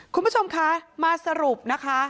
คุณผู้ชมคะมาสรุปนะคะ